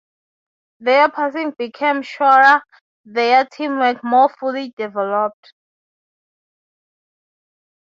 Their passing became surer, their teamwork more fully developed.